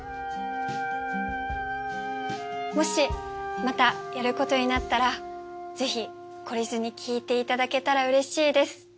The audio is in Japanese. もしまたやることになったらぜひ懲りずに聴いていただけたらうれしいです。